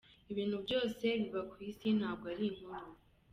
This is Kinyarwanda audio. Ibintu byose biba kwisi ntago ari inkuru.